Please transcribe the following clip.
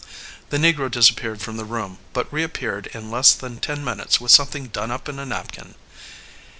The negro disappeared from the room, but reappeared in less than ten minutes with something done up in a napkin.